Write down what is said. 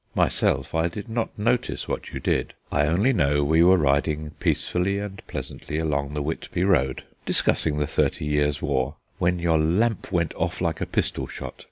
Myself, I did not notice what you did; I only know we were riding peacefully and pleasantly along the Whitby Road, discussing the Thirty Years' War, when your lamp went off like a pistol shot.